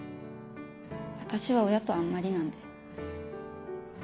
私は親とあんまりなんで。